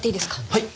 はい。